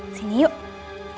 aku mau ke rumah